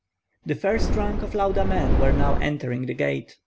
The first rank of Lauda men were now entering the gate.